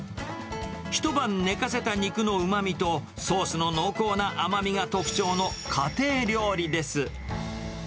一晩寝かせた肉のうまみと、ソースの濃厚な甘みが特徴の家庭料理です。